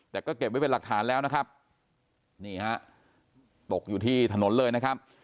แต่ก็เก็บไว้เป็นหลักฐานแล้วนะครับนี่ฮะตกอยู่ที่ถนนเลยนะครับ